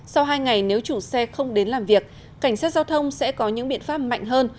sau hai ngày nếu chủ xe không đến làm việc cảnh sát giao thông sẽ có những biện pháp mạnh hơn